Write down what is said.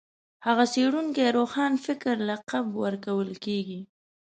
هغه څېړونکي روښانفکر لقب ورکول کېږي